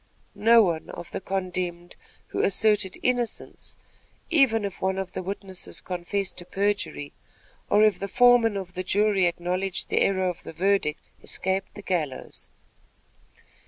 No one of the condemned who asserted innocence, even if one of the witnesses confessed to perjury, or the foreman of the jury acknowledged the error of the verdict, escaped the gallows.